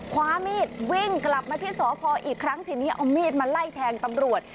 คว้ามีดวิ่งกลับมาที่สพอีกครั้งทีนี้เอามีดมาไล่แทงตำรวจ